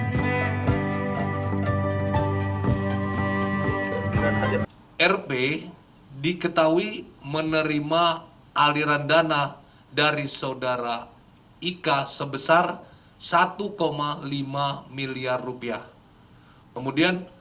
hai rp diketahui menerima aliran dana dari saudara ika sebesar satu lima miliar rupiah kemudian